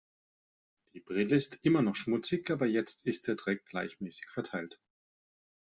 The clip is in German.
Die Brille ist immer noch schmutzig, aber jetzt ist der Dreck gleichmäßig verteilt.